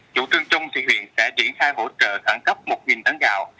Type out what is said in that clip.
chủ trương trung thì huyện sẽ triển khai hỗ trợ khẳng cấp một tấn gạo